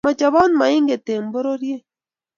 Mo chobot moinget eng boriet